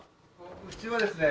うちはですね